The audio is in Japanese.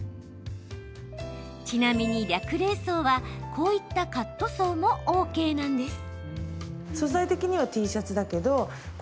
ちなみに略礼装はこういったカットソーもＯＫなんです。